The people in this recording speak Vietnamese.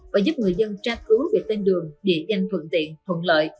và giúp người dân tra cứu về tên đường địa danh thuận tiện thuận lợi